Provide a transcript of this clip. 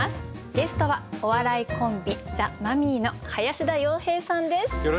ゲストはお笑いコンビザ・マミィの林田洋平さんです。